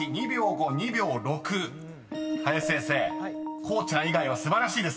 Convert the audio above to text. こうちゃん以外は素晴らしいですね］